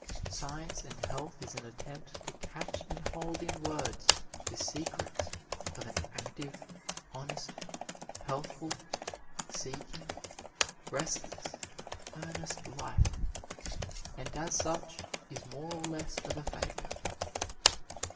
"Science and Health" is an attempt to catch and hold in words the secrets of an active, honest, healthful, seeking, restless, earnest life, and as such is more or less of a failure.